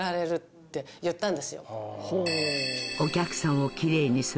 って言ったんですよ。